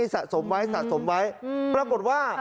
สะสมไว้สะสมไว้ปรากฏว่า